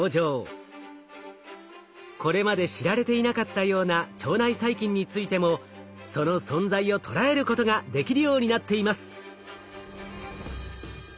これまで知られていなかったような腸内細菌についてもその存在を捉えることができるようになっています。